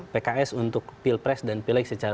pks untuk pilpres dan pileg secara